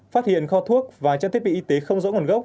phát hiện kho thuốc và trang thiết bị y tế không rõ nguồn gốc